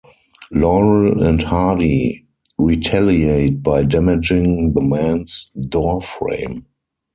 Laurel and Hardy retaliate by damaging the man's doorframe.